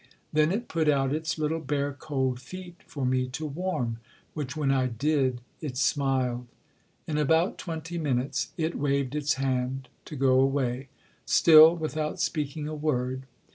Then it put out its little bare cold feet for me to warm, which when I did, it smiled. In about twenty minutes, it waved its hand to go away, still without speaking a word.